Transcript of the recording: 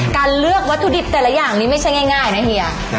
การเลือกวัตถุดิบแต่ละอย่างนี้ไม่ใช่ง่ายนะเฮีย